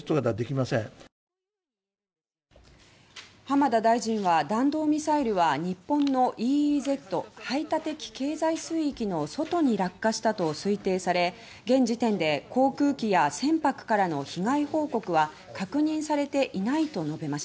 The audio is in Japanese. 浜田大臣は弾道ミサイルは日本のＥＥＺ・排他的経済水域の外に落下したと推定され現時点で航空機や船舶からの被害報告は確認されていないと述べました。